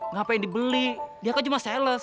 ngapain dibeli dia kan cuma sales